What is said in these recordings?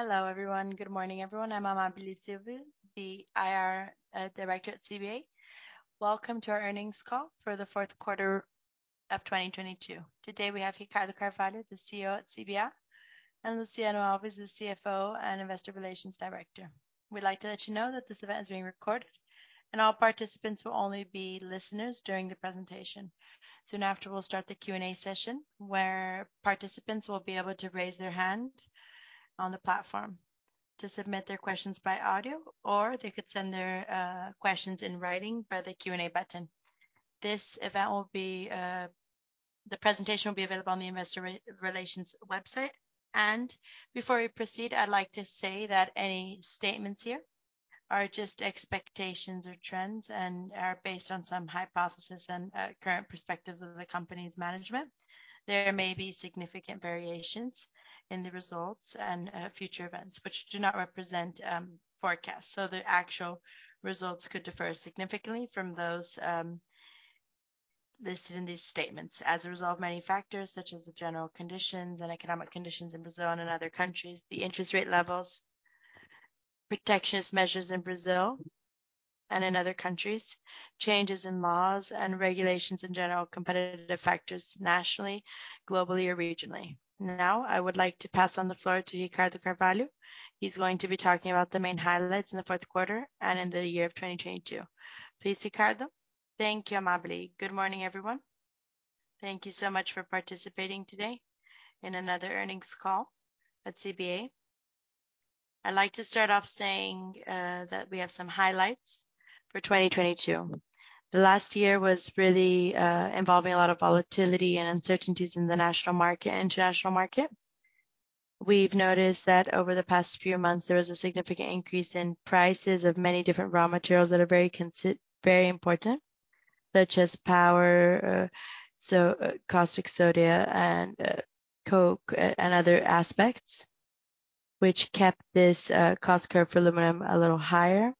Hello, everyone. Good morning, everyone. I'm Amábile Silva, the IR Director at CBA. Welcome to our Earnings Call for the Fourth Quarter of 2022. Today, we have Ricardo Carvalho, the CEO at CBA, and Luciano Alves, the CFO and Investor Relations Director. We'd like to let you know that this event is being recorded, and all participants will only be listeners during the presentation. Soon after, we'll start the Q&A session, where participants will be able to raise their hand on the platform to submit their questions by audio, or they could send their questions in writing by the Q&A button. The presentation will be available on the investor relations website. And before we proceed, I'd like to say that any statements here are just expectations or trends and are based on some hypothesis and current perspectives of the company's management. There may be significant variations in the results and future events which do not represent forecasts. The actual results could differ significantly from those listed in these statements as a result of many factors, such as the general conditions and economic conditions in Brazil and in other countries, the interest rate levels, protectionist measures in Brazil and in other countries, changes in laws and regulations in general, competitive factors nationally, globally, or regionally. Now, I would like to pass on the floor to Ricardo Carvalho. He's going to be talking about the main highlights in the fourth quarter and in the year of 2022. Please, Ricardo. Thank you, Amábile. Good morning, everyone. Thank you so much for participating today in another earnings call at CBA. I'd like to start off saying that we have some highlights for 2022. The last year was really involving a lot of volatility and uncertainties in the national market, international market. We've noticed that over the past few months, there was a significant increase in prices of many different raw materials that are very important, such as power, so caustic soda and other aspects, which kept this cost curve for aluminum a little higher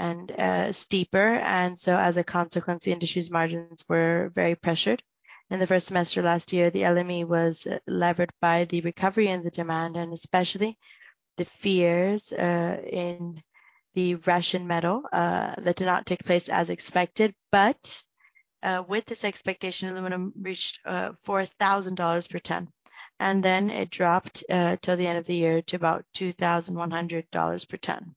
and steeper. As a consequence, the industry's margins were very pressured. In the first semester last year, the LME was levered by the recovery and the demand, and especially the fears in the Russian metal that did not take place as expected. With this expectation, aluminum reached $4,000 per ton, and then it dropped till the end of the year to about $2,100 per ton.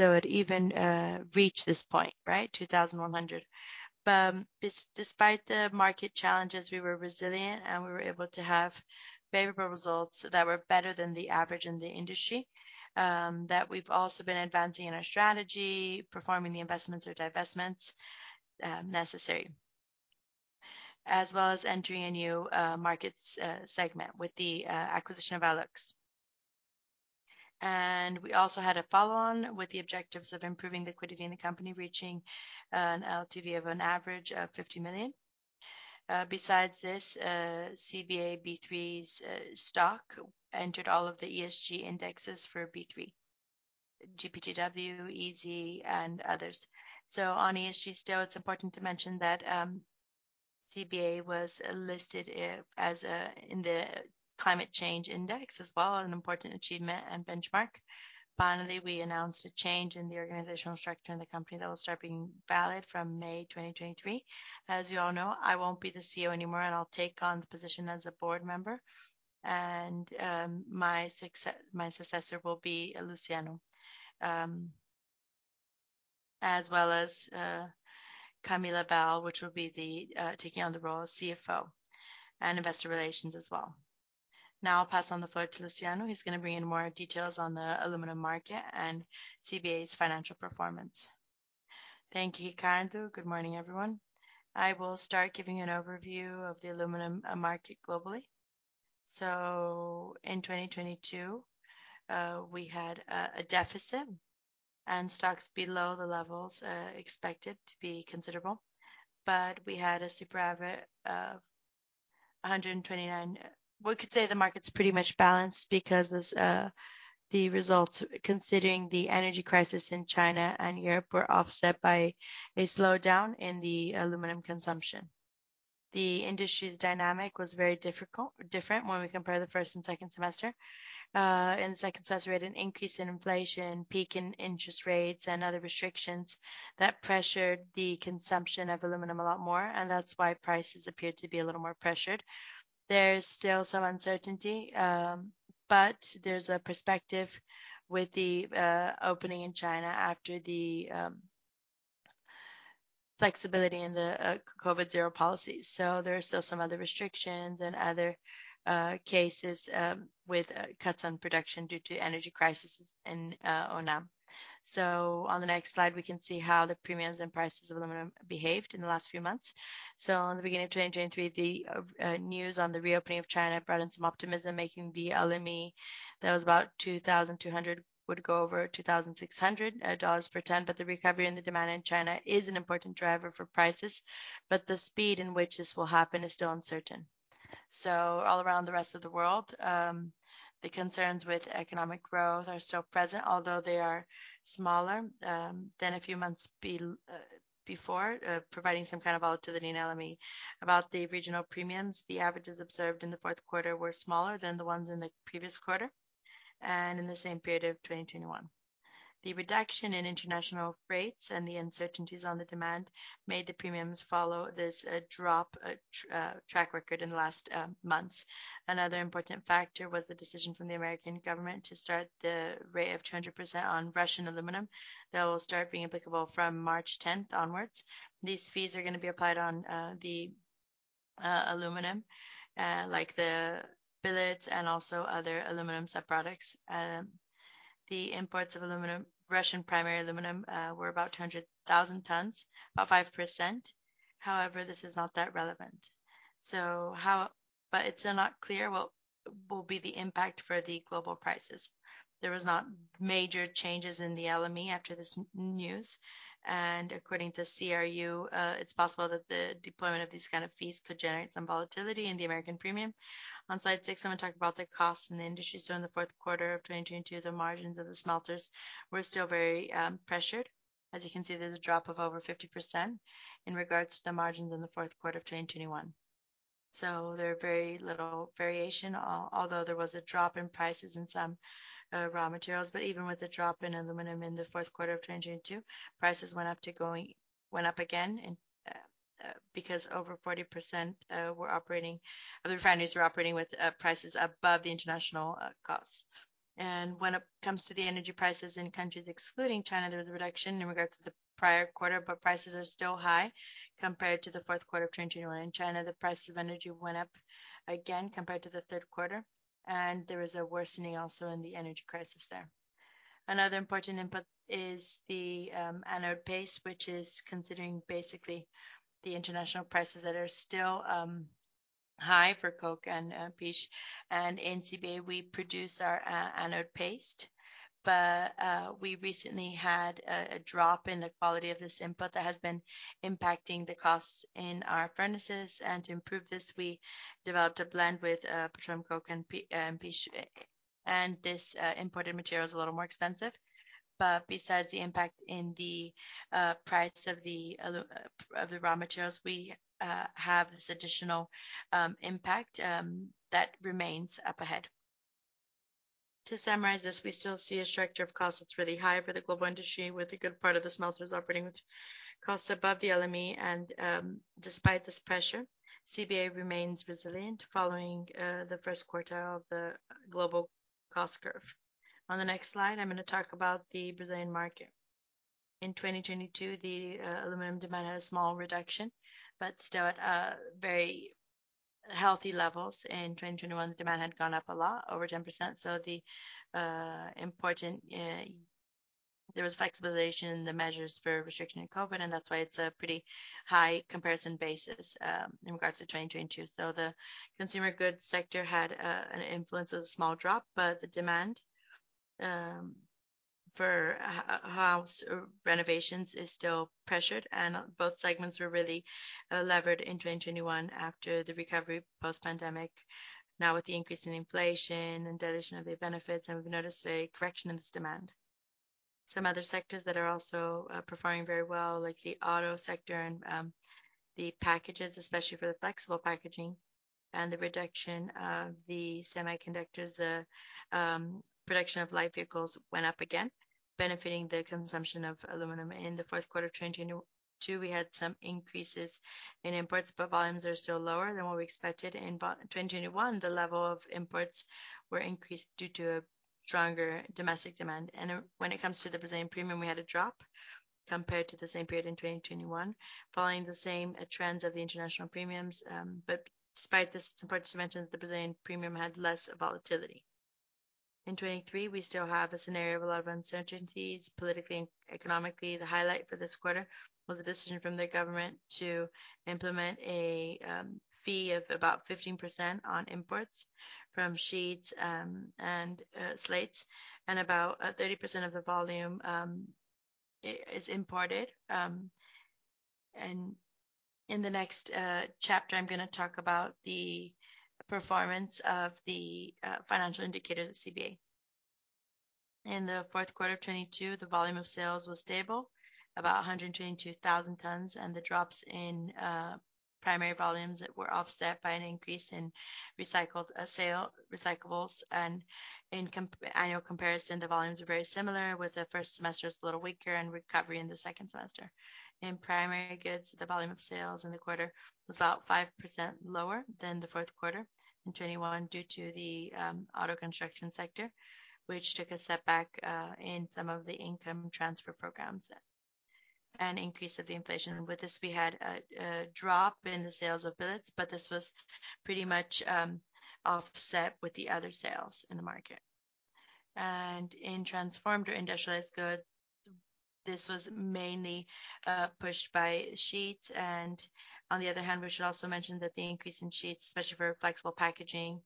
It even reached this point, right? $2,100. Despite the market challenges, we were resilient, and we were able to have favorable results that were better than the average in the industry, that we've also been advancing in our strategy, performing the investments or divestments necessary, as well as entering a new markets segment with the acquisition of Alux. We also had a follow-on with the objectives of improving liquidity in the company, reaching an ADTV of an average of 50 million. Besides this, CBA B3's stock entered all of the ESG indexes for B3, GPTW, ISE, and others. On ESG still, it's important to mention that CBA was listed in the climate change index as well, an important achievement and benchmark. Finally, we announced a change in the organizational structure in the company that will start being valid from May 2023. As you all know, I won't be the CEO anymore, and I'll take on the position as a board member. My successor will be Luciano, as well as Camila Abel, which will be taking on the role of CFO and investor relations as well. Now I'll pass on the floor to Luciano, who's gonna bring in more details on the aluminum market and CBA's financial performance. Thank you, Ricardo. Good morning, everyone. I will start giving an overview of the aluminum market globally. In 2022, we had a deficit and stocks below the levels expected to be considerable. We had a super average of 129. We could say the market's pretty much balanced because this, the results considering the energy crisis in China and Europe were offset by a slowdown in the aluminum consumption. The industry's dynamic was very different when we compare the first and second semester. In the second semester, we had an increase in inflation, peak in interest rates, and other restrictions that pressured the consumption of aluminum a lot more. That's why prices appeared to be a little more pressured. There's still some uncertainty. There's a perspective with the opening in China after the flexibility in the COVID zero policies. There are still some other restrictions and other cases with cuts on production due to energy crisis in Yunnan. On the next slide, we can see how the premiums and prices of aluminum behaved in the last few months. In the beginning of 2023, the news on the reopening of China brought in some optimism, making the LME that was about $2,200 would go over $2,600 per ton. The recovery in the demand in China is an important driver for prices, but the speed in which this will happen is still uncertain. All around the rest of the world, the concerns with economic growth are still present, although they are smaller than a few months before, providing some kind of volatility in LME. About the regional premiums, the averages observed in the fourth quarter were smaller than the ones in the previous quarter and in the same period of 2021. The reduction in international rates and the uncertainties on the demand made the premiums follow this drop track record in the last months. Another important factor was the decision from the American government to start the rate of 200% on Russian aluminum. That will start being applicable from March 10th onwards. These fees are gonna be applied on the aluminum, like the billets and also other aluminum sub-products. The imports of aluminum, Russian primary aluminum, were about 200,000 tons, about 5%. However, this is not that relevant. It's not clear what will be the impact for the global prices. There was not major changes in the LME after this news. According to CRU, it's possible that the deployment of these kind of fees could generate some volatility in the American premium. On slide six, I'm gonna talk about the costs in the industry. In the fourth quarter of 2022, the margins of the smelters were still very pressured. As you can see, there's a drop of over 50% in regards to the margins in the fourth quarter of 2021. There are very little variation, although there was a drop in prices in some raw materials. Even with the drop in aluminum in the fourth quarter of 2022, prices went up again and because over 40% were operating, the refineries were operating with prices above the international costs. When it comes to the energy prices in countries excluding China, there was a reduction in regards to the prior quarter, but prices are still high compared to the fourth quarter of 2021. In China, the price of energy went up again compared to the third quarter. There was a worsening also in the energy crisis there. Another important input is the anode paste, which is considering basically the international prices that are still high for coke and pitch. In CBA, we produce our anode paste, but we recently had a drop in the quality of this input that has been impacting the costs in our furnaces. To improve this, we developed a blend with petroleum coke and pitch. This imported material is a little more expensive. Besides the impact in the price of the raw materials, we have this additional impact that remains up ahead. To summarize this, we still see a structure of costs that's really high for the global industry, with a good part of the smelters operating with costs above the LME. Despite this pressure, CBA remains resilient following the first quarter of the global cost curve. On the next slide, I'm gonna talk about the Brazilian market. In 2022, the aluminum demand had a small reduction, but still at very healthy levels. In 2021, the demand had gone up a lot, over 10%. There was a flexibilization in the measures for restriction in COVID, and that's why it's a pretty high comparison basis in regards to 2022. The consumer goods sector had an influence of a small drop, but the demand for house renovations is still pressured, and both segments were really levered in 2021 after the recovery post-pandemic. Now, with the increase in inflation and deletion of the benefits, and we've noticed a correction in this demand. Some other sectors that are also performing very well, like the auto sector and the packages, especially for the flexible packaging, and the reduction of the semiconductors, the production of light vehicles went up again, benefiting the consumption of aluminum. In the fourth quarter of 2022, we had some increases in imports, but volumes are still lower than what we expected. In 2021, the level of imports were increased due to a stronger domestic demand. When it comes to the Brazilian premium, we had a drop compared to the same period in 2021, following the same trends of the international premiums. Despite this, it's important to mention that the Brazilian premium had less volatility. In 2023, we still have a scenario of a lot of uncertainties politically and economically. The highlight for this quarter was a decision from the government to implement a fee of about 15% on imports from sheets and slates, and about 30% of the volume is imported. In the next chapter, I'm gonna talk about the performance of the financial indicators at CBA. In the fourth quarter of 2022, the volume of sales was stable, about 122,000 tons, the drops in primary volumes were offset by an increase in recycled recyclables. In annual comparison, the volumes were very similar, with the first semester's a little weaker and recovery in the second semester. In primary goods, the volume of sales in the quarter was about 5% lower than the fourth quarter in 2021 due to the auto construction sector, which took a setback in some of the income transfer programs and increase of the inflation. With this, we had a drop in the sales of billets, this was pretty much offset with the other sales in the market. In transformed or industrialized goods, this was mainly pushed by sheets. On the other hand, we should also mention that the increase in sheets, especially for flexible packaging,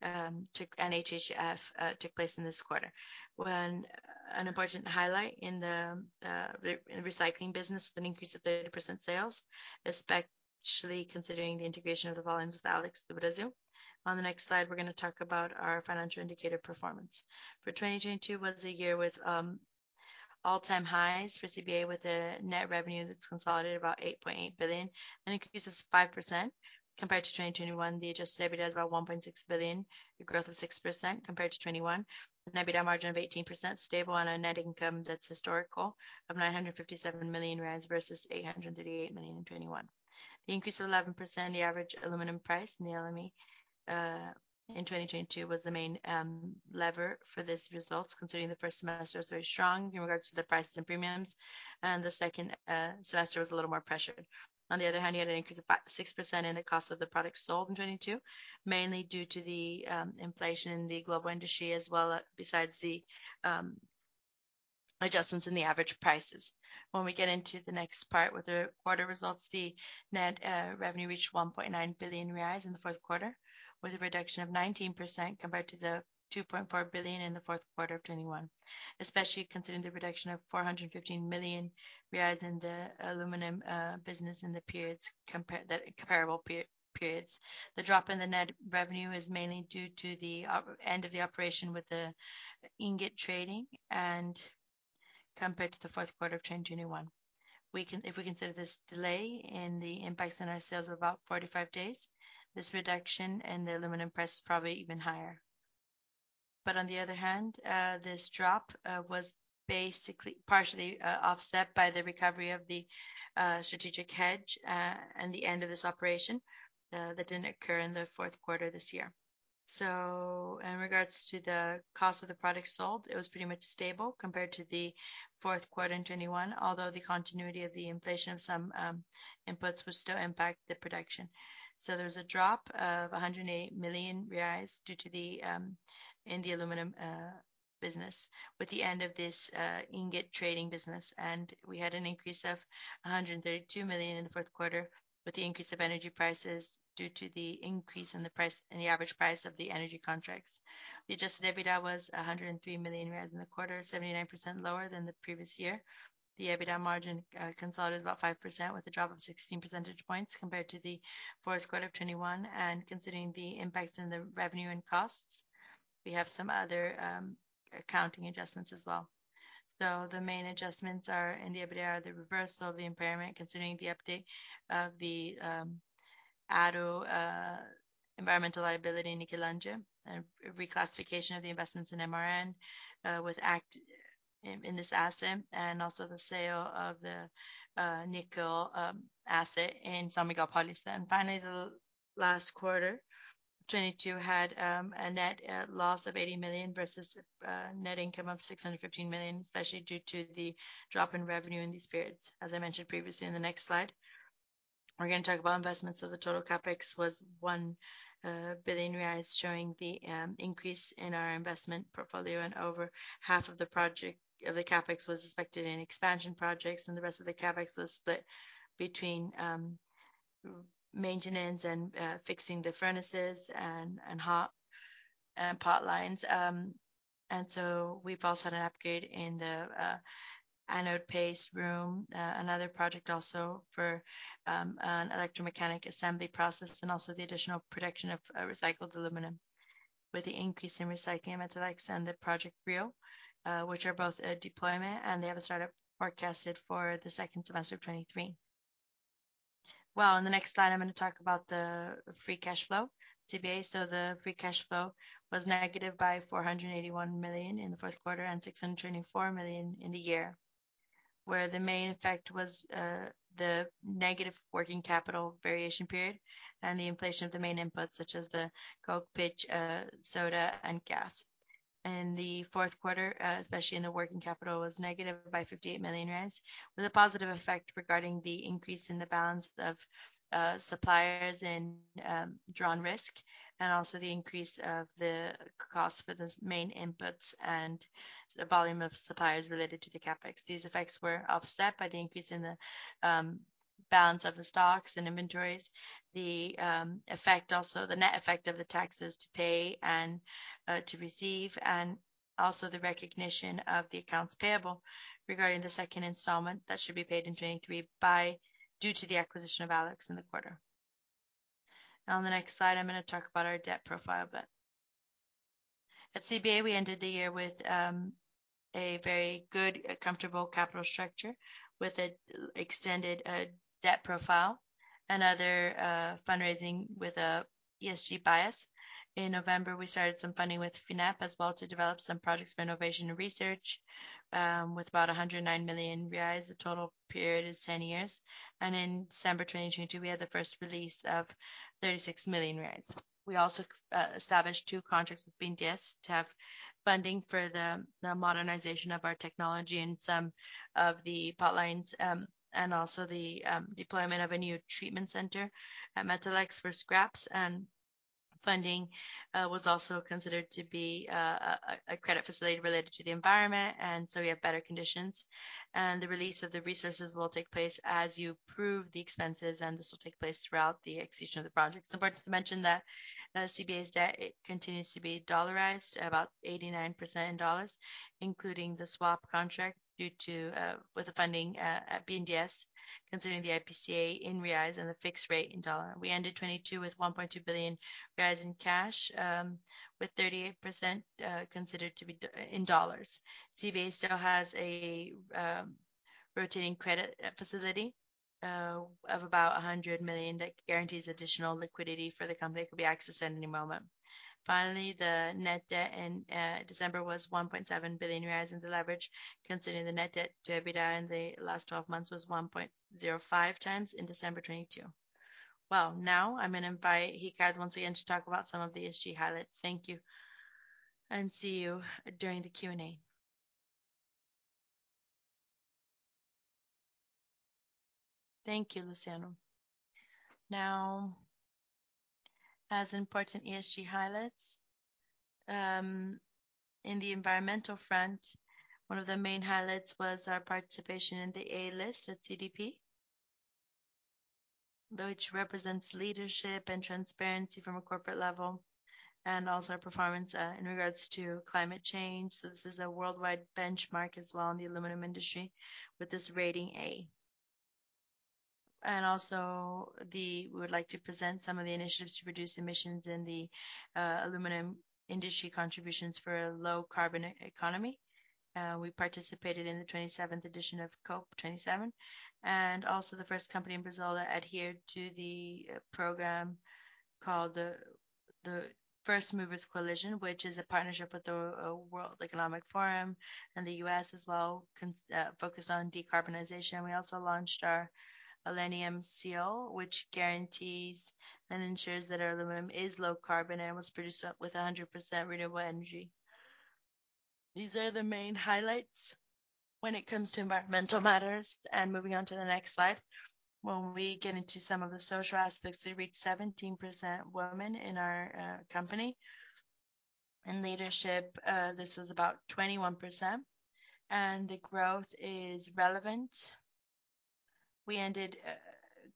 and HHF took place in this quarter. An important highlight in the recycling business with an increase of 30% sales actually considering the integration of the volumes with Alux do Brasil. On the next slide, we are going to talk about our financial indicator performance. For 2022 was a year with all-time highs for CBA with a net revenue that is consolidated about 8.8 billion, an increase of 5% compared to 2021. The adjusted EBITDA is about 1.6 billion, a growth of 6% compared to 2021, with an EBITDA margin of 18% stable on a net income that is historical of BRL 957 million versus 838 million in 2021. The increase of 11%, the average aluminum price in the LME, in 2022 was the main lever for this results, considering the first semester was very strong in regards to the prices and premiums, and the second semester was a little more pressured. On the other hand, you had an increase of 5%-6% in the cost of the products sold in 2022, mainly due to the inflation in the global industry as well, besides the adjustments in the average prices. When we get into the next part with the quarter results, the net revenue reached 1.9 billion reais in the fourth quarter, with a reduction of 19% compared to 2.4 billion in the fourth quarter of 2021, especially considering the reduction of 415 million reais in the aluminum business in the comparable periods. The drop in the net revenue is mainly due to the end of the operation with the ingot trading and compared to the fourth quarter of 2021. If we consider this delay in the impacts on our sales of about 45 days, this reduction in the aluminum price is probably even higher. On the other hand, this drop was basically partially offset by the recovery of the strategic hedge and the end of this operation that didn't occur in the fourth quarter this year. In regards to the cost of the product sold, it was pretty much stable compared to the fourth quarter in 2021, although the continuity of the inflation of some inputs will still impact the production. There was a drop of 108 million reais due to the in the aluminum business with the end of this ingot trading business. We had an increase of 132 million in the fourth quarter with the increase of energy prices due to the increase in the average price of the energy contracts. The adjusted EBITDA was 103 million reais in the quarter, 79% lower than the previous year. The EBITDA margin consolidated about 5% with a drop of 16 percentage points compared to the fourth quarter of 2021. Considering the impacts in the revenue and costs, we have some other accounting adjustments as well. The main adjustments are in the EBITDA, the reversal of the impairment considering the update of the ARO environmental liability in Niquelândia, and reclassification of the investments in MRN with act in this asset, and also the sale of the nickel asset in São Miguel Paulista. Finally, the last quarter 2022 had a net loss of 80 million versus net income of 615 million, especially due to the drop in revenue in these periods, as I mentioned previously. In the next slide, we're going to talk about investments. The total CapEx was 1 billion reais, showing the increase in our investment portfolio, and over half of the CapEx was invested in expansion projects, and the rest of the CapEx was split between maintenance and fixing the furnaces and hot pot lines. We've also had an upgrade in the anode paste room. Another project also for an electromechanic assembly process and also the additional production of recycled aluminum. With the increase in recycling at Metalex and Project Rio, which are both at deployment, and they have a startup forecasted for the second semester of 2023. Well, in the next slide, I'm gonna talk about the free cashflow CBA. The free cashflow was negative by 481 million in the fourth quarter and 624 million in the year, where the main effect was the negative working capital variation period and the inflation of the main inputs such as the coke, pitch, soda, and gas. In the fourth quarter, especially in the working capital, was negative by BRL 58 million, with a positive effect regarding the increase in the balance of suppliers and drawee risk, and also the increase of the cost for those main inputs and the volume of suppliers related to the CapEx. These effects were offset by the increase in the balance of the stocks and inventories, the net effect of the taxes to pay and to receive, and also the recognition of the accounts payable regarding the second installment that should be paid in 2023 due to the acquisition of Alux in the quarter. On the next slide, I'm gonna talk about our debt profile a bit. At CBA, we ended the year with a very good, comfortable capital structure with an extended debt profile and other fundraising with an ESG bias. In November, we started some funding with Finep as well to develop some projects for innovation and research, with about 109 million reais. The total period is 10 years. In December 2022, we had the first release of 36 million BRL. We also established 2 contracts with BNDES to have funding for the modernization of our technology in some of the pot lines, and also the deployment of a new treatment center at Metalex for scraps. Funding was also considered to be a credit facility related to the environment. We have better conditions. The release of the resources will take place as you prove the expenses, and this will take place throughout the execution of the project. It's important to mention that CBA's debt continues to be dollarized, about 89% in dollars, including the swap contract due to with the funding at BNDES, considering the IPCA in reais and the fixed rate in dollar. We ended 2022 with 1.2 billion in cash, with 38% considered to be in dollars. CBA still has a revolving credit facility of about 100 million that guarantees additional liquidity for the company. It could be accessed at any moment. Finally, the net debt in December was BRL 1.7 billion, rising the leverage considering the net debt to EBITDA in the last 12 months was 1.05 times in December 2022. Now I'm gonna invite Ricardo once again to talk about some of the ESG highlights. Thank you, see you during the Q&A. Thank you, Luciano. Now, as important ESG highlights, in the environmental front, one of the main highlights was our participation in the A-list with CDP, which represents leadership and transparency from a corporate level, and also our performance in regards to climate change. This is a worldwide benchmark as well in the aluminum industry with this rating A. We would like to present some of the initiatives to reduce emissions in the aluminum industry contributions for a low carbon e-economy. We participated in the 27th edition of COP27, and also the first company in Brazil that adhered to the program called the First Movers Coalition, which is a partnership with the World Economic Forum and the U.S. as well focused on decarbonization. We also launched our Alenium seal, which guarantees and ensures that our aluminum is low carbon and was produced with 100% renewable energy. These are the main highlights when it comes to environmental matters. Moving on to the next slide, when we get into some of the social aspects, we reached 17% women in our company. In leadership, this was about 21%. The growth is relevant. We ended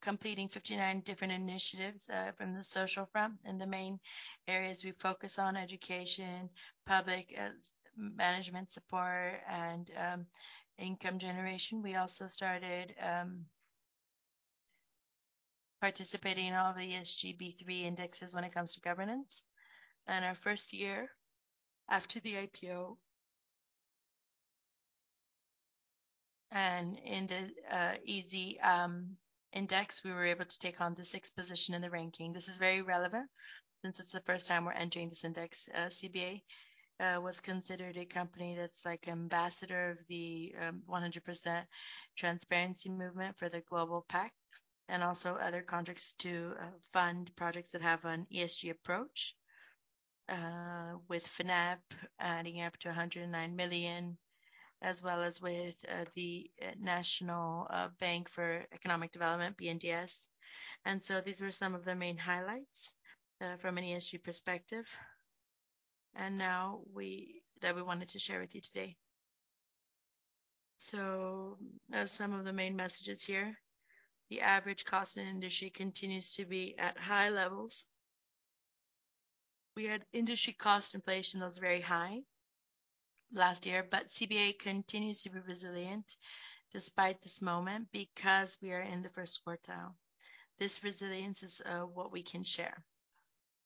completing 59 different initiatives from the social front. In the main areas we focus on education, public management support, and income generation. We also started participating in all the ESG B3 indexes when it comes to governance. Our first year after the IPO. In the ESG index, we were able to take on the 6th position in the ranking. This is very relevant since it's the first time we're entering this index. CBA was considered a company that's like ambassador of the 100% transparency movement for the Global Pact, and also other contracts to fund projects that have an ESG approach with Finep adding up to 109 million, as well as with the National Bank for Economic Development, BNDES. These were some of the main highlights from an ESG perspective, that we wanted to share with you today. As some of the main messages here, the average cost in industry continues to be at high levels. We had industry cost inflation that was very high last year, but CBA continues to be resilient despite this moment because we are in the first quartile. This resilience is what we can share.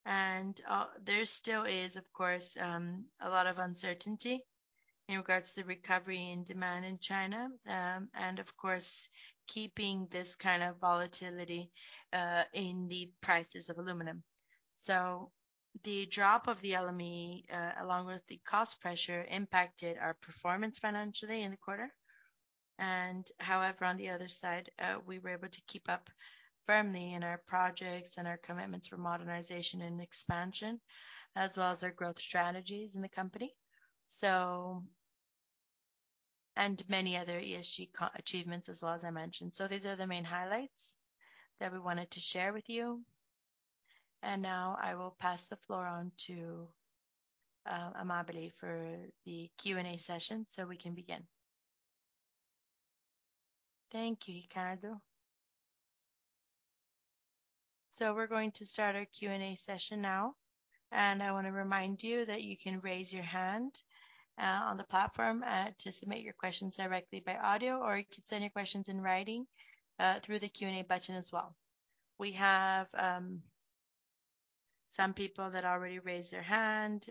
There still is, of course, a lot of uncertainty in regards to recovery and demand in China, and of course, keeping this kind of volatility in the prices of aluminum. The drop of the LME along with the cost pressure impacted our performance financially in the quarter. However, on the other side, we were able to keep up firmly in our projects and our commitments for modernization and expansion, as well as our growth strategies in the company. Many other ESG achievements as well, as I mentioned. These are the main highlights that we wanted to share with you. Now I will pass the floor on to Amábile for the Q&A session so we can begin. Thank you, Ricardo. We're going to start our Q&A session now, and I wanna remind you that you can raise your hand on the platform to submit your questions directly by audio, or you can send your questions in writing through the Q&A button as well. We have some people that already raised their hand.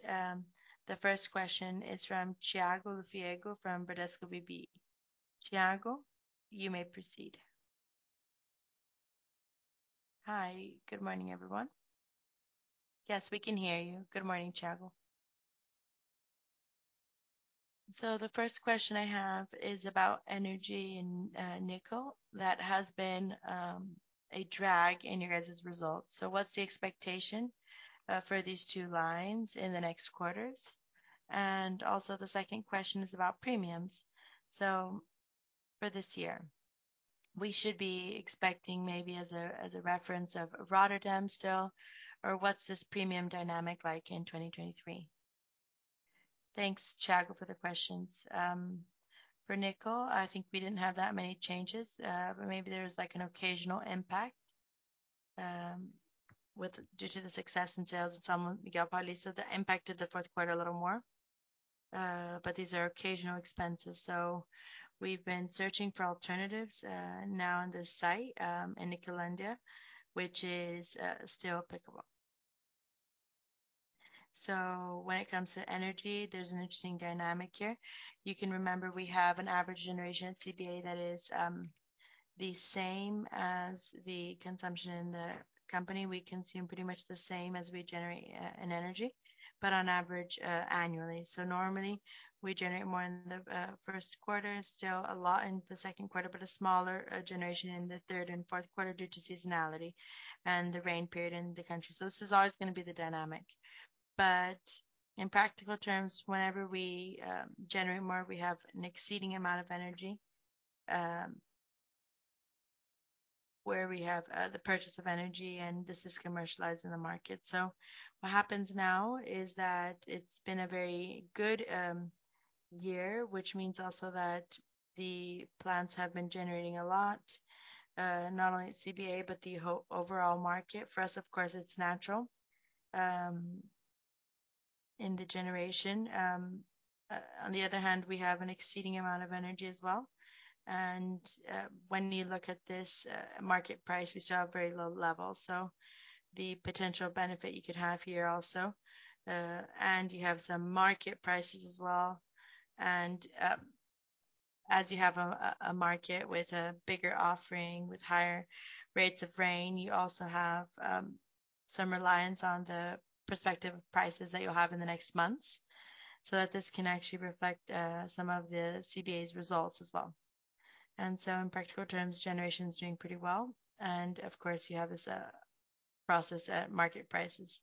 The first question is from Thiago Viegas from Bradesco BBI. Thiago, you may proceed. Hi. Good morning, everyone. Yes, we can hear you. Good morning, Thiago. The first question I have is about energy and nickel. That has been a drag in your guys' results. What's the expectation for these two lines in the next quarters? The second question is about premiums. For this year, we should be expecting maybe as a, as a reference of Rotterdam still, or what's this premium dynamic like in 2023? Thanks, Thiago, for the questions. For nickel, I think we didn't have that many changes. But maybe there was like an occasional impact due to the success in sales at São Miguel Paulista that impacted the fourth quarter a little more. These are occasional expenses, so we've been searching for alternatives, now on this site, in Niquelândia, which is still applicable. When it comes to energy, there's an interesting dynamic here. You can remember we have an average generation at CBA that is the same as the consumption in the company. We consume pretty much the same as we generate in energy, but on average, annually. Normally, we generate more in the first quarter, still a lot in the second quarter, but a smaller generation in the third and fourth quarter due to seasonality and the rain period in the country. This is always gonna be the dynamic. In practical terms, whenever we generate more, we have an exceeding amount of energy, where we have the purchase of energy, and this is commercialized in the market. What happens now is that it's been a very good year, which means also that the plants have been generating a lot, not only at CBA, but the overall market. For us, of course, it's natural in the generation. On the other hand, we have an exceeding amount of energy as well. When you look at this market price, we still have very low levels, so the potential benefit you could have here also. You have some market prices as well. As you have a market with a bigger offering, with higher rates of rain, you also have some reliance on the prospective prices that you'll have in the next months, so that this can actually reflect some of the CBA's results as well. In practical terms, generation's doing pretty well. Of course, you have this process at market prices.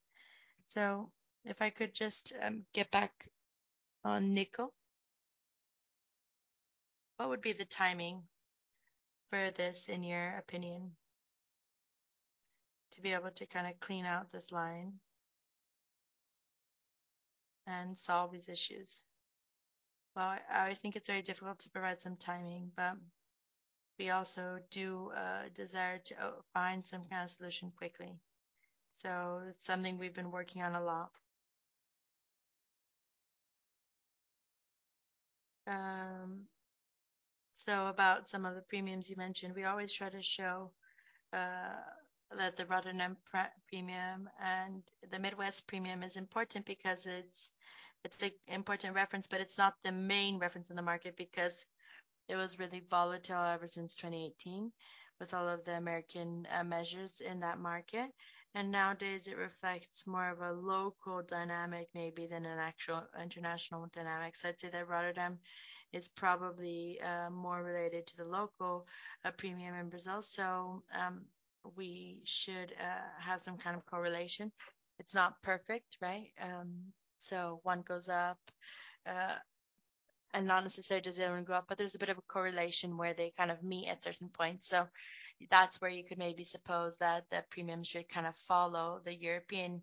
If I could just get back on nickel. What would be the timing for this, in your opinion, to be able to kinda clean out this line and solve these issues? I think it's very difficult to provide some timing, but we also do desire to find some kind of solution quickly. It's something we've been working on a lot. About some of the premiums you mentioned, we always try to show that the Rotterdam premium and the Midwest premium is important because it's a important reference, but it's not the main reference in the market because it was really volatile ever since 2018 with all of the American measures in that market. Nowadays it reflects more of a local dynamic maybe than an actual international dynamic. I'd say that Rotterdam is probably more related to the local premium in Brazil. We should have some kind of correlation. It's not perfect, right? One goes up, not necessarily does the other one go up, but there's a bit of a correlation where they kind of meet at certain points. That's where you could maybe suppose that the premium should kind of follow the European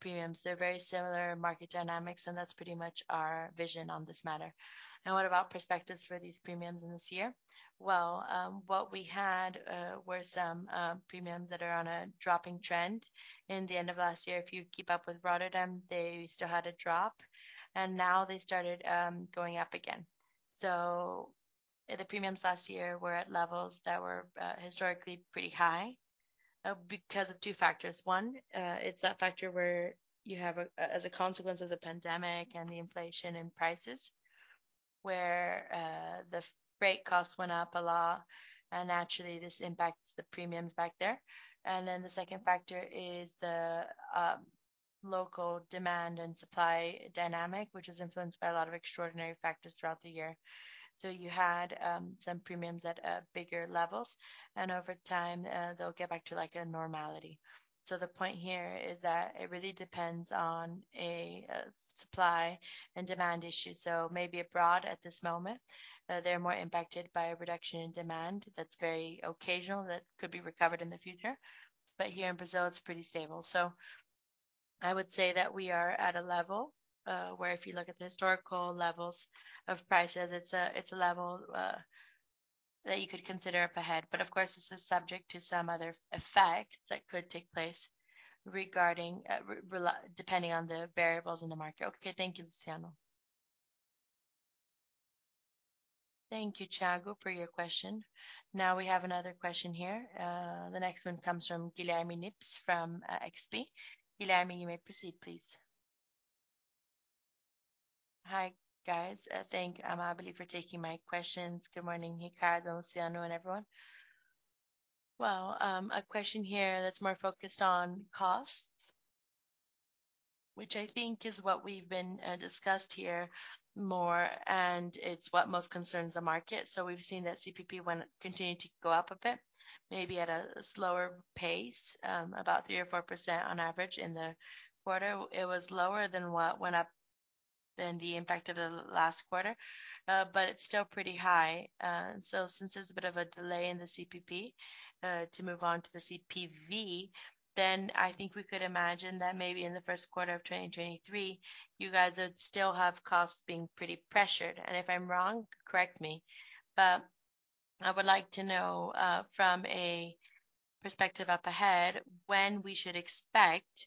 premiums. They're very similar market dynamics, and that's pretty much our vision on this matter. What about perspectives for these premiums in this year? What we had were some premiums that are on a dropping trend. In the end of last year, if you keep up with Rotterdam, they still had a drop, and now they started going up again. The premiums last year were at levels that were historically pretty high because of 2 factors. One, it's that factor where you have a, as a consequence of the pandemic and the inflation in prices, where the freight costs went up a lot, and naturally this impacts the premiums back there. The second factor is the local demand and supply dynamic, which is influenced by a lot of extraordinary factors throughout the year. You had some premiums at bigger levels, and over time, they'll get back to like a normality. The point here is that it really depends on a supply and demand issue. Maybe abroad at this moment, they're more impacted by a reduction in demand that's very occasional, that could be recovered in the future. Here in Brazil, it's pretty stable. I would say that we are at a level where if you look at the historical levels of prices, it's a level that you could consider up ahead. Of course, this is subject to some other effects that could take place regarding depending on the variables in the market. Okay. Thank you, Luciano. Thank you, Thiago, for your question. We have another question here. The next one comes from Guilherme Nippes from XP. Guilherme, you may proceed, please. Hi, guys. Thank Amábile for taking my questions. Good morning, Ricardo, Luciano, and everyone. Well, a question here that's more focused on costs, which I think is wee been discussed here more, and it's what most concerns the market. We've seen that CPP continued to go up a bit, maybe at a slower pace, about 3% or 4% on average in the quarter. It was lower than what went up than the impact of the last quarter, but it's still pretty high. Since there's a bit of a delay in the CPP, to move on to the CPV, I think we could imagine that maybe in the first quarter of 2023, you guys would still have costs being pretty pressured. If I'm wrong, correct me. I would like to know, from a perspective up ahead, when we should expect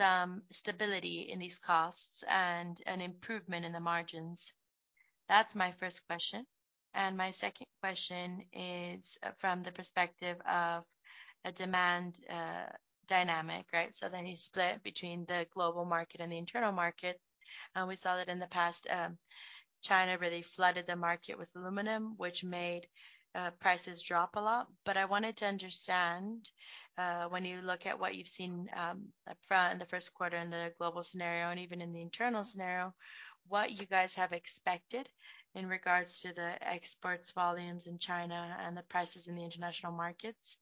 some stability in these costs and an improvement in the margins. That's my first question. My second question is from the perspective of a demand dynamic, right? You split between the global market and the internal market. We saw that in the past, China really flooded the market with aluminum, which made prices drop a lot. I wanted to understand, when you look at what you've seen, up front in the first quarter in the global scenario and even in the internal scenario, what you guys have expected in regards to the exports volumes in China and the prices in the international markets,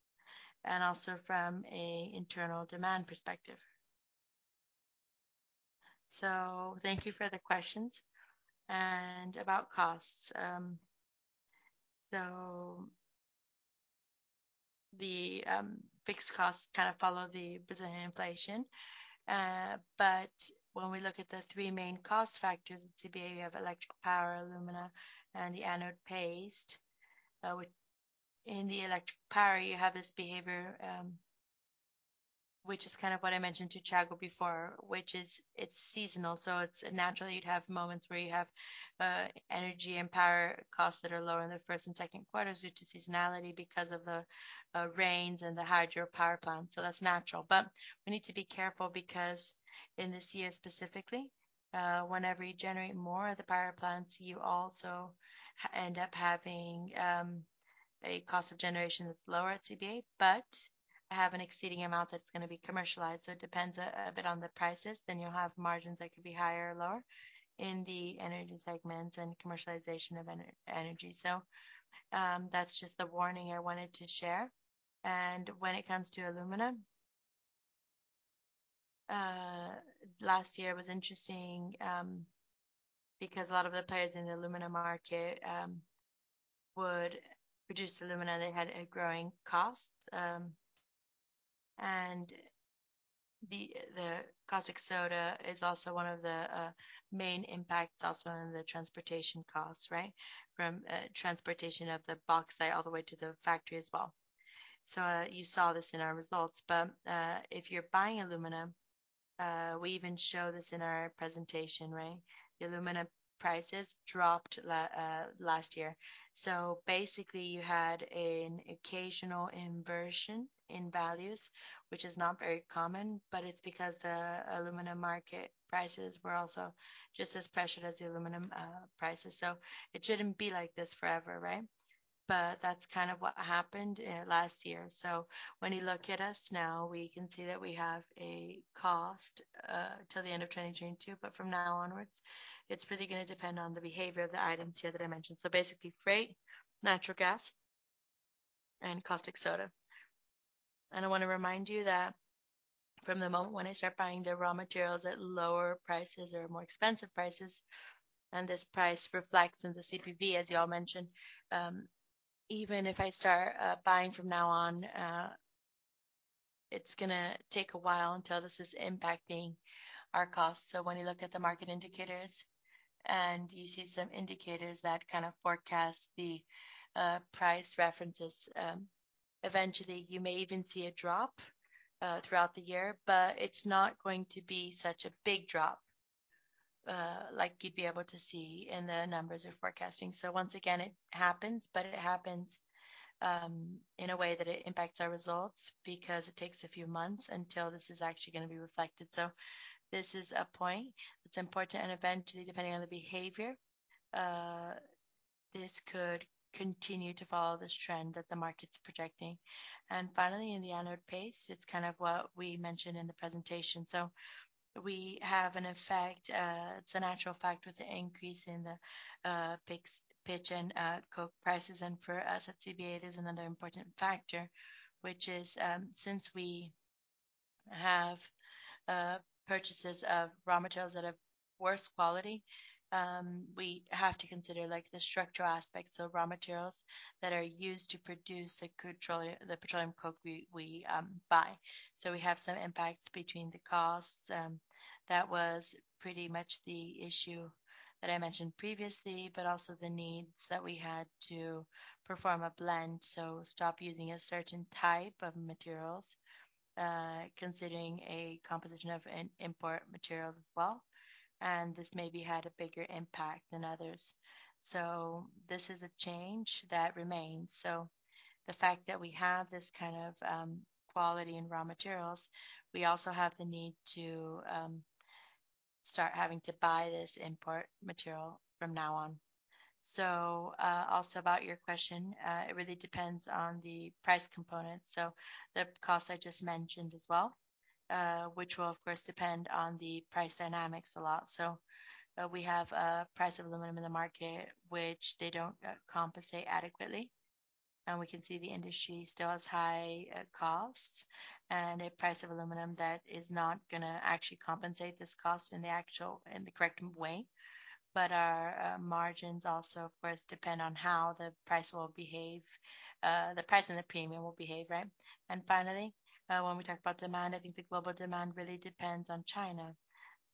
and also from a internal demand perspective? Thank you for the questions. About costs, so the fixed costs kind of follow the Brazilian inflation. When we look at the three main cost factors at CBA, we have electric power, alumina, and the anode paste. In the electric power, you have this behavior, which is kind of what I mentioned to Thiago before, which is it's seasonal. It's naturally you'd have moments where you have energy and power costs that are lower in the first and second quarters due to seasonality because of the rains and the hydropower plant. That's natural. We need to be careful because in this year specifically, whenever you generate more of the power plants, you also end up having a cost of generation that's lower at CBA, but have an exceeding amount that's gonna be commercialized. It depends a bit on the prices. You'll have margins that could be higher or lower in the energy segments and commercialization of energy. That's just the warning I wanted to share. When it comes to alumina, last year was interesting, because a lot of the players in the alumina market, would produce alumina. They had a growing cost, and the caustic soda is also one of the main impacts also in the transportation costs, right? From transportation of the bauxite all the way to the factory as well. You saw this in our results, but if you're buying alumina, we even show this in our presentation, right? The alumina prices dropped last year. Basically, you had an occasional inversion in values, which is not very common, but it's because the alumina market prices were also just as pressured as the aluminum prices. It shouldn't be like this forever, right? That's kind of what happened last year. When you look at us now, we can see that we have a cost, till the end of 2022, but from now onwards, it's really gonna depend on the behavior of the items here that I mentioned. Basically freight, natural gas, and caustic soda. I wanna remind you that from the moment when I start buying the raw materials at lower prices or more expensive prices, and this price reflects in the CPV, as you all mentioned, even if I start, buying from now on, it's gonna take a while until this is impacting our costs. When you look at the market indicators and you see some indicators that kind of forecast the price references, eventually you may even see a drop throughout the year, but it's not going to be such a big drop like you'd be able to see in the numbers we're forecasting. Once again, it happens, but it happens in a way that it impacts our results because it takes a few months until this is actually gonna be reflected. This is a point that's important, and eventually, depending on the behavior, this could continue to follow this trend that the market's projecting. Finally, in the anode paste, it's kind of what we mentioned in the presentation. We have an effect, it's a natural effect with the increase in the fixed pitch and coke prices. For us at CBA, there's another important factor, which is, since we have purchases of raw materials that are worse quality, we have to consider, like, the structural aspects of raw materials that are used to produce the petroleum coke we buy. We have some impacts between the costs. That was pretty much the issue that I mentioned previously, but also the needs that we had to perform a blend, so stop using a certain type of materials, considering a composition of import materials as well. This maybe had a bigger impact than others. This is a change that remains. The fact that we have this kind of quality in raw materials, we also have the need to start having to buy this import material from now on. Also about your question, it really depends on the price component, so the cost I just mentioned as well, which will of course depend on the price dynamics a lot. We have a price of aluminum in the market which they don't compensate adequately, and we can see the industry still has high costs and a price of aluminum that is not gonna actually compensate this cost in the correct way. Our margins also, of course, depend on how the price will behave, the price and the premium will behave, right? Finally, when we talk about demand, I think the global demand really depends on China.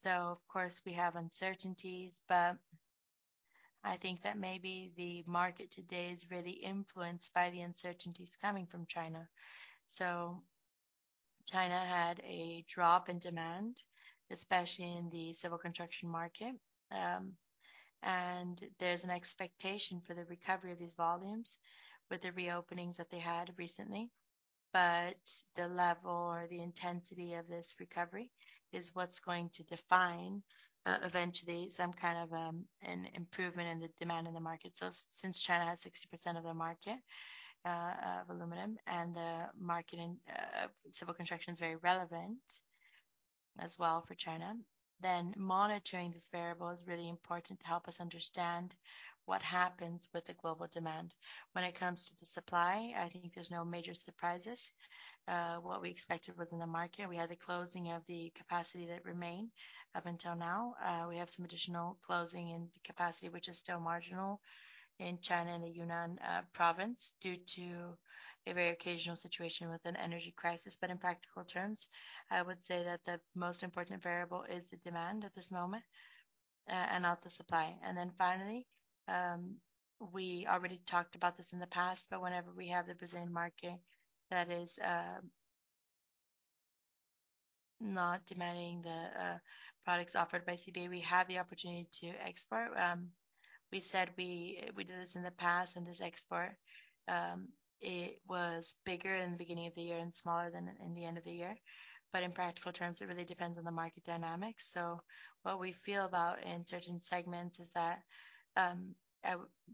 Of course, we have uncertainties, but I think that maybe the market today is really influenced by the uncertainties coming from China. China had a drop in demand, especially in the civil construction market. There's an expectation for the recovery of these volumes with the reopenings that they had recently. The level or the intensity of this recovery is what's going to define, eventually some kind of an improvement in the demand in the market. Since China has 60% of the market of aluminum, and the market in civil construction is very relevant as well for China, then monitoring this variable is really important to help us understand what happens with the global demand. When it comes to the supply, I think there's no major surprises. What we expected was in the market. We had the closing of the capacity that remained up until now. We have some additional closing in the capacity, which is still marginal in China, in the Yunnan province, due to a very occasional situation with an energy crisis. In practical terms, I would say that the most important variable is the demand at this moment, and not the supply. Finally, we already talked about this in the past, but whenever we have the Brazilian market that is not demanding the products offered by CBA, we have the opportunity to export. We said we did this in the past, and this export, it was bigger in the beginning of the year and smaller than in the end of the year. In practical terms, it really depends on the market dynamics. What we feel about in certain segments is that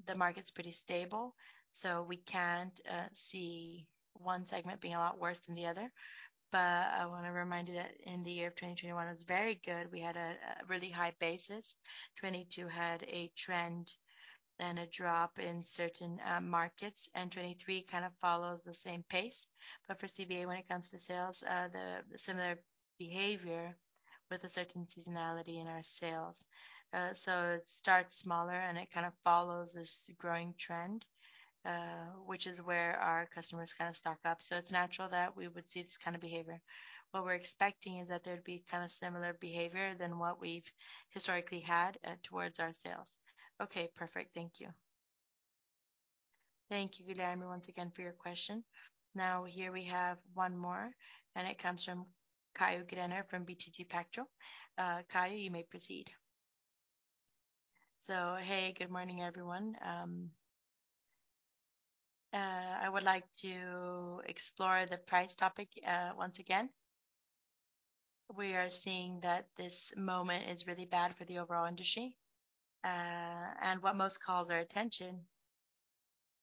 the market's pretty stable, so we can't see one segment being a lot worse than the other. I wanna remind you that in the year of 2021, it was very good. We had a really high basis. 2022 had a trend, then a drop in certain markets, and 2023 kind of follows the same pace. For CBA, when it comes to sales, the similar behavior with a certain seasonality in our sales. It starts smaller, and it kind of follows this growing trend, which is where our customers kind of stock up. It's natural that we would see this kind of behavior. What we're expecting is that there'd be kind of similar behavior than what we've historically had towards our sales. Okay. Perfect. Thank you. Thank you, Guilherme, once again for your question. Here we have one more, and it comes from Caio Greiner from BTG Pactual. Caio, you may proceed. Hey, good morning, everyone. I would like to explore the price topic once again. We are seeing that this moment is really bad for the overall industry. What most calls our attention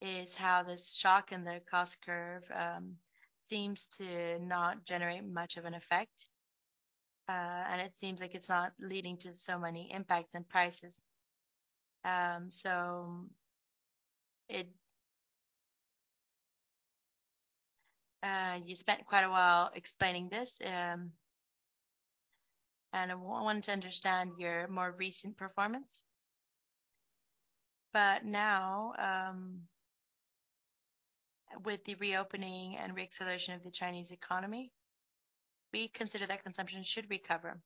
is how this shock in the cost curve seems to not generate much of an effect. It seems like it's not leading to so many impacts in prices. You spent quite a while explaining this, and I want to understand your more recent performance. Now, with the reopening and re-acceleration of the Chinese economy, we consider that consumption should recover.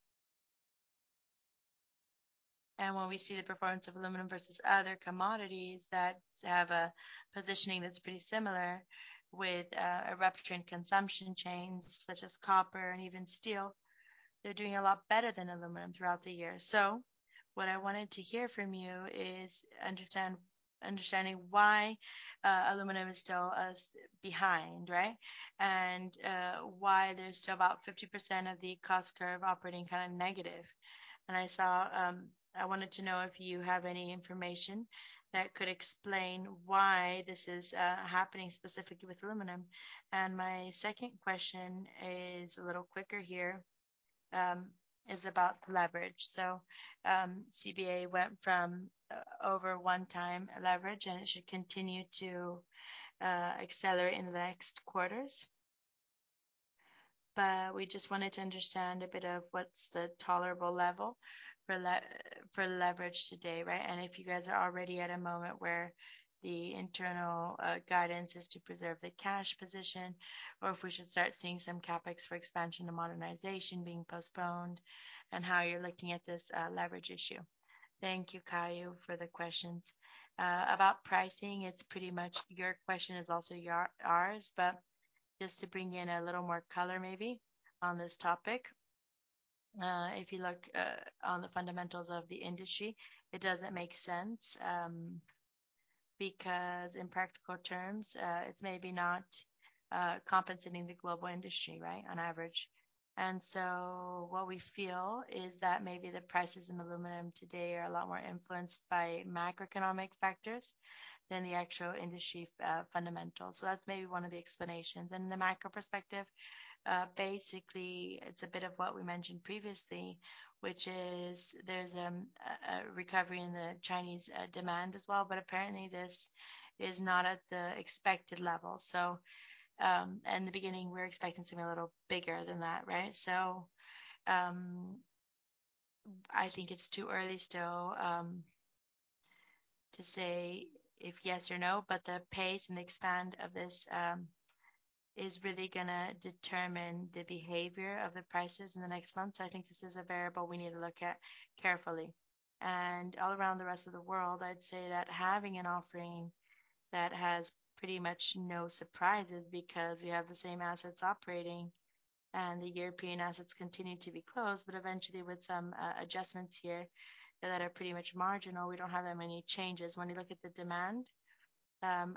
When we see the performance of aluminum versus other commodities that have a positioning that's pretty similar with a rupture in consumption chains such as copper and even steel, they're doing a lot better than aluminum throughout the year. What I wanted to hear from you is understanding why aluminum is still behind, right? Why there's still about 50% of the cost curve operating kind of negative. I wanted to know if you have any information that could explain why this is happening specifically with aluminum. My second question is a little quicker here, is about leverage. CBA went from over 1x leverage, and it should continue to accelerate in the next quarters. We just wanted to understand a bit of what's the tolerable level for leverage today, right? If you guys are already at a moment where the internal guidance is to preserve the cash position, or if we should start seeing some CapEx for expansion and modernization being postponed, and how you're looking at this leverage issue. Thank you, Caio, for the questions. About pricing, it's pretty much your question is also ours. Just to bring in a little more color maybe on this topic. If you look on the fundamentals of the industry, it doesn't make sense, because in practical terms, it's maybe not compensating the global industry, right, on average. What we feel is that maybe the prices in aluminum today are a lot more influenced by macroeconomic factors than the actual industry fundamentals. That's maybe one of the explanations. The macro perspective, basically it's a bit of what we mentioned previously, which is there's a recovery in the Chinese demand as well, but apparently this is not at the expected level. In the beginning, we're expecting something a little bigger than that, right? I think it's too early still to say if yes or no, but the pace and the expand of this is really gonna determine the behavior of the prices in the next months. I think this is a variable we need to look at carefully. All around the rest of the world, I'd say that having an offering that has pretty much no surprises because you have the same assets operating. The European assets continue to be closed, but eventually with some adjustments here that are pretty much marginal, we don't have that many changes. When you look at the demand,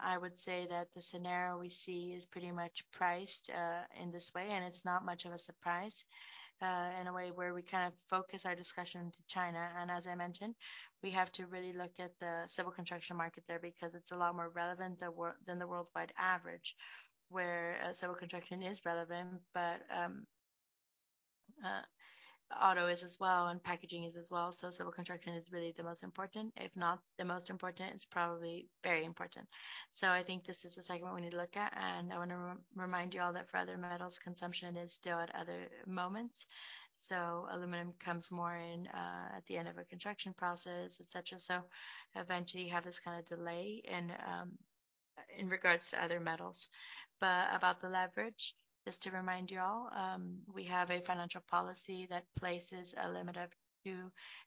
I would say that the scenario we see is pretty much priced in this way, and it's not much of a surprise. In a way where we kind of focus our discussion to China, and as I mentioned, we have to really look at the civil construction market there because it's a lot more relevant than the worldwide average, where civil construction is relevant. Auto is as well, and packaging is as well. Civil construction is really the most important. If not the most important, it's probably very important. I think this is the segment we need to look at, and I wanna remind you all that for other metals, consumption is still at other moments. Aluminum comes more in at the end of a construction process, et cetera. Eventually you have this kinda delay in in regards to other metals. About the leverage, just to remind you all, we have a financial policy that places a limit of 2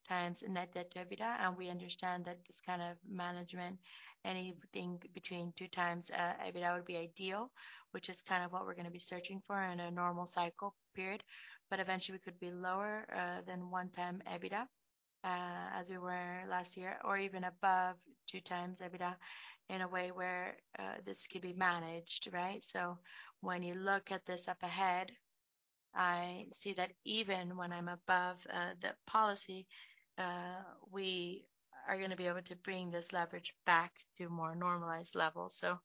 times net debt EBITDA, and we understand that this kind of management, anything between 2 times EBITDA would be ideal, which is kind of what we're gonna be searching for in a normal cycle period. Eventually we could be lower than 1 time EBITDA as we were last year, or even above 2 times EBITDA in a way where this could be managed, right? When you look at this up ahead, I see that even when I'm above the policy, we are gonna be able to bring this leverage back to more normalized levels. So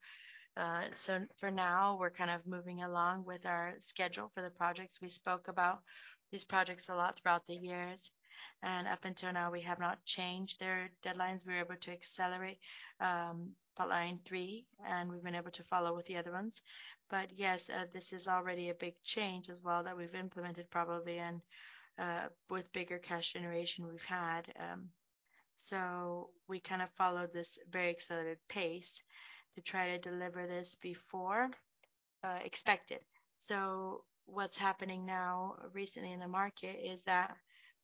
for now, we're kind of moving along with our schedule for the projects. We spoke about these projects a lot throughout the years, and up until now, we have not changed their deadlines. We were able to accelerate line three, and we've been able to follow with the other ones. Yes, this is already a big change as well that we've implemented probably, and with bigger cash generation we've had. We kind of followed this very accelerated pace to try to deliver this before expected. What's happening now recently in the market is that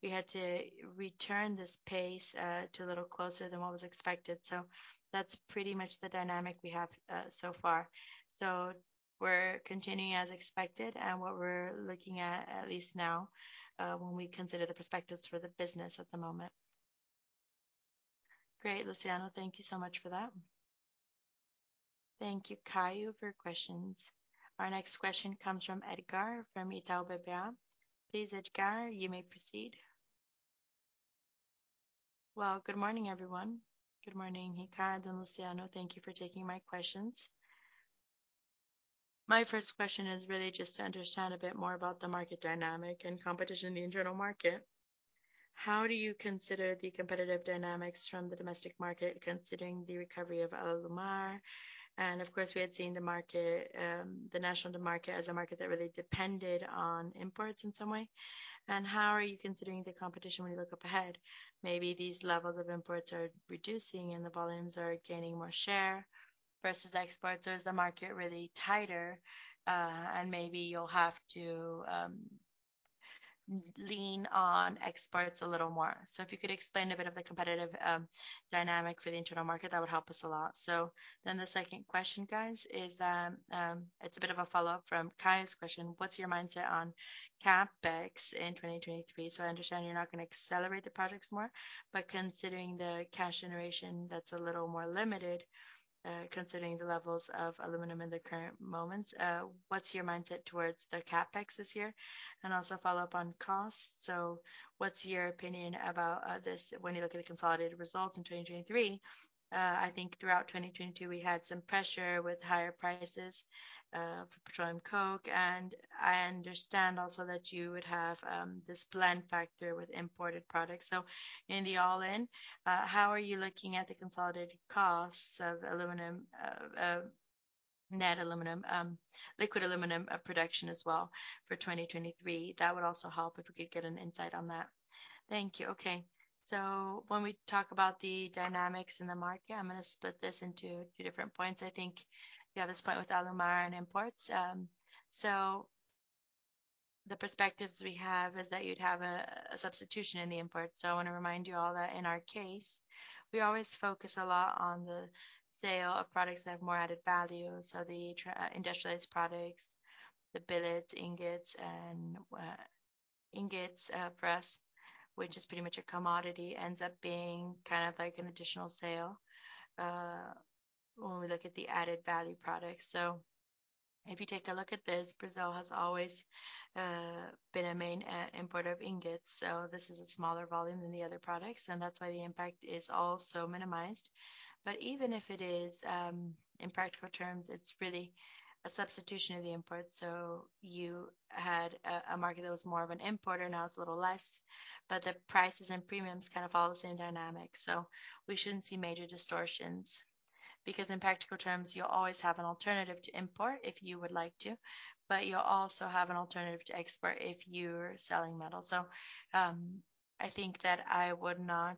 we had to return this pace to a little closer than what was expected. That's pretty much the dynamic we have so far. We're continuing as expected, and what we're looking at at least now, when we consider the perspectives for the business at the moment. Great, Luciano. Thank you so much for that. Thank you, Caio, for your questions. Our next question comes from Edgar from Itaú BBA. Please, Edgar, you may proceed. Well, good morning, everyone. Good morning, Ricardo and Luciano. Thank you for taking my questions. My first question is really just to understand a bit more about the market dynamic and competition in the internal market. How do you consider the competitive dynamics from the domestic market considering the recovery of Alumar? Of course, we had seen the market, the national market as a market that really depended on imports in some way. How are you considering the competition when you look up ahead? Maybe these levels of imports are reducing and the volumes are gaining more share versus exports, or is the market really tighter, and maybe you'll have to lean on exports a little more. If you could explain a bit of the competitive dynamic for the internal market, that would help us a lot. The second question, guys, is, it's a bit of a follow-up from Caio's question. What's your mindset on CapEx in 2023? I understand you're not gonna accelerate the projects more, but considering the cash generation that's a little more limited, considering the levels of aluminum in the current moments, what's your mindset towards the CapEx this year? Also follow up on costs. What's your opinion about this when you look at the consolidated results in 2023? I think throughout 2022 we had some pressure with higher prices for petroleum coke, and I understand also that you would have this blend factor with imported products. In the all-in, how are you looking at the consolidated costs of aluminum, net aluminum, liquid aluminum, production as well for 2023? That would also help if we could get an insight on that. Thank you. Okay. When we talk about the dynamics in the market, I'm gonna split this into a few different points. I think you have this point with Alumar and imports. The perspectives we have is that you'd have a substitution in the imports. I wanna remind you all that in our case, we always focus a lot on the sale of products that have more added value. The industrialist products, the billets, ingots, and ingots press, which is pretty much a commodity, ends up being kind of like an additional sale when we look at the added value products. If you take a look at this, Brazil has always been a main importer of ingots, this is a smaller volume than the other products, and that's why the impact is also minimized. Even if it is, in practical terms, it's really a substitution of the imports. You had a market that was more of an importer, now it's a little less, but the prices and premiums kind of follow the same dynamic. We shouldn't see major distortions because in practical terms, you'll always have an alternative to import if you would like to, but you'll also have an alternative to export if you're selling metal. I think that I would not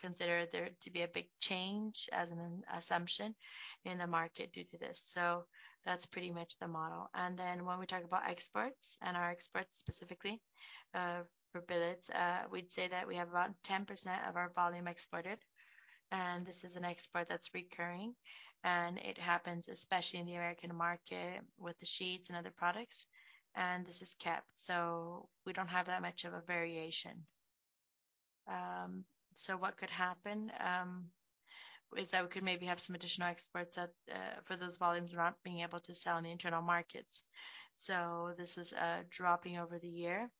consider there to be a big change as an assumption in the market due to this. That's pretty much the model. When we talk about exports. Typically, for billets, we'd say that we have about 10% of our volume exported. This is an export that's recurring, and it happens especially in the American market with the sheets and other products. This is kept, so we don't have that much of a variation. What could happen is that we could maybe have some additional exports for those volumes we're not being able to sell in the internal markets. This was dropping over the year.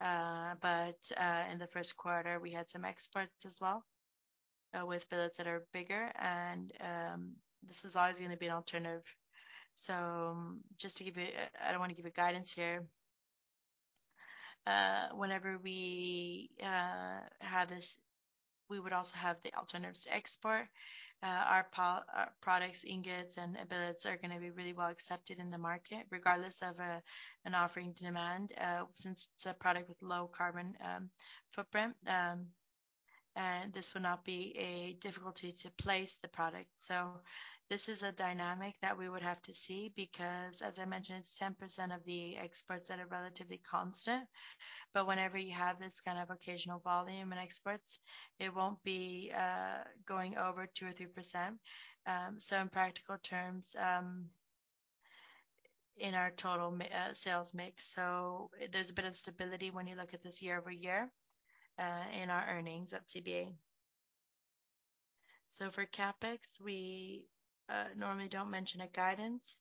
In the first quarter, we had some exports as well with billets that are bigger and this is always going to be an alternative. Just to give you. I don't want to give a guidance here. Whenever we have this, we would also have the alternatives to export. Our products, ingots, and billets are gonna be really well accepted in the market regardless of a, an offering demand, since it's a product with low carbon footprint. This would not be a difficulty to place the product. This is a dynamic that we would have to see because, as I mentioned, it's 10% of the exports that are relatively constant. Whenever you have this kind of occasional volume in exports, it won't be going over 2% or 3%, so in practical terms, in our total sales mix. There's a bit of stability when you look at this year-over-year in our earnings at CBA. For CapEx, we normally don't mention a guidance,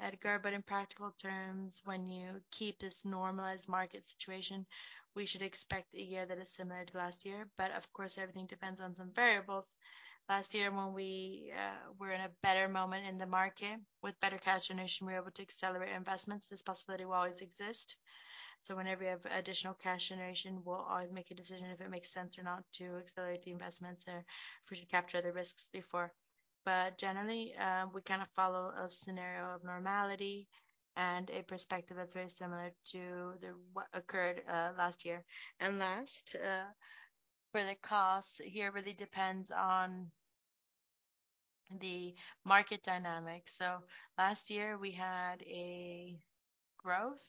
Edgar, but in practical terms, when you keep this normalized market situation, we should expect a year that is similar to last year. Of course, everything depends on some variables. Last year, when we were in a better moment in the market with better cash generation, we were able to accelerate investments. This possibility will always exist. Whenever we have additional cash generation, we'll always make a decision if it makes sense or not to accelerate the investments or future capture the risks before. Generally, we kind of follow a scenario of normality and a perspective that's very similar to what occurred last year. Last, for the costs, it really depends on the market dynamics. Last year, we had a growth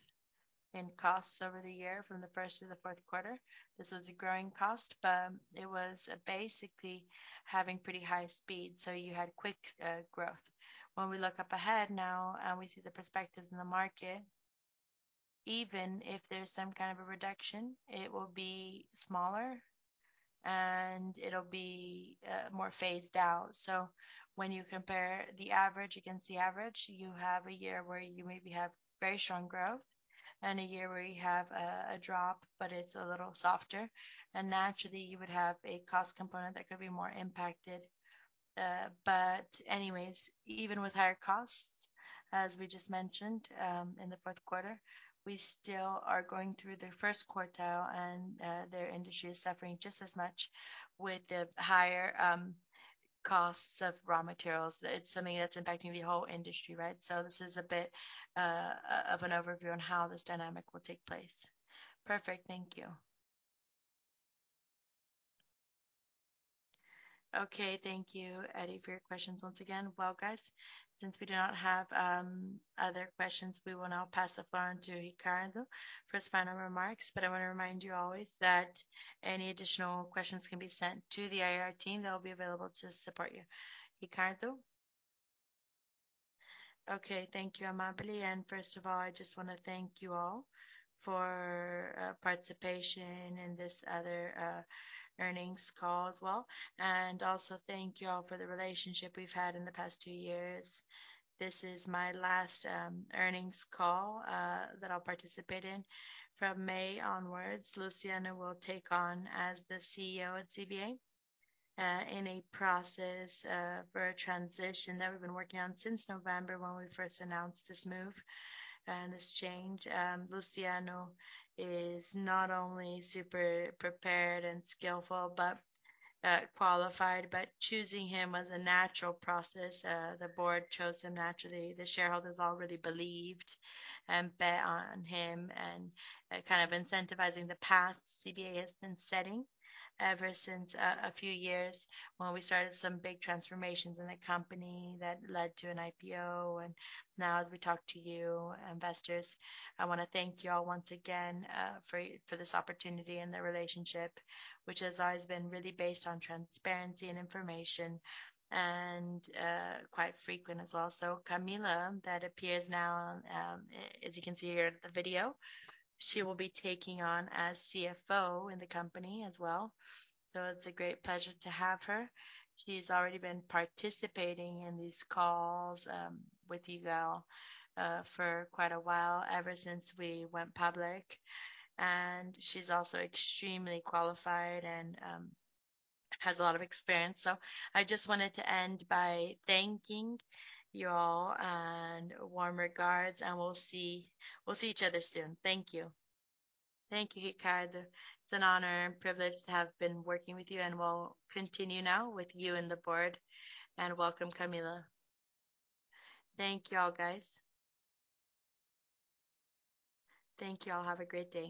in costs over the year from the first to the fourth quarter. This was a growing cost, but it was basically having pretty high speed, so you had quick growth. When we look up ahead now and we see the perspectives in the market, even if there's some kind of a reduction, it will be smaller and it'll be more phased out. When you compare the average against the average, you have a year where you maybe have very strong growth and a year where you have a drop, but it's a little softer. Naturally, you would have a cost component that could be more impacted. Anyways, even with higher costs, as we just mentioned, in the fourth quarter, we still are going through the first quartile and their industry is suffering just as much with the higher costs of raw materials. It's something that's impacting the whole industry, right? This is a bit of an overview on how this dynamic will take place. Perfect. Thank you. Thank you, Edgar, for your questions once again. Guys, since we do not have other questions, we will now pass the floor on to Ricardo for his final remarks. I wanna remind you always that any additional questions can be sent to the IR team. They'll be available to support you. Ricardo. Thank you, Amábeli. First of all, I just wanna thank you all for participation in this other earnings call as well. Also thank you all for the relationship we've had in the past two years. This is my last earnings call that I'll participate in. From May onwards, Luciano will take on as the CEO at CBA in a process for a transition that we've been working on since November when we first announced this move and this change. Luciano is not only super prepared and skillful, but qualified, but choosing him was a natural process. The board chose him naturally. The shareholders already believed and bet on him and kind of incentivizing the path CBA has been setting ever since a few years when we started some big transformations in the company that led to an IPO. Now as we talk to you investors, I wanna thank you all once again for this opportunity and the relationship, which has always been really based on transparency and information and quite frequent as well. Camila, that appears now on, as you can see here at the video, she will be taking on as CFO in the company as well. It's a great pleasure to have her. She's already been participating in these calls with you girl for quite a while, ever since we went public. She's also extremely qualified and has a lot of experience. I just wanted to end by thanking you all and warm regards, and we'll see each other soon. Thank you. Thank you, Ricardo. It's an honor and privilege to have been working with you. We'll continue now with you and the board. Welcome, Camila. Thank you all, guys. Thank you all. Have a great day.